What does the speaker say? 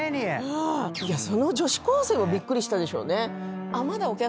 その女子高生もびっくりしたでしょうね。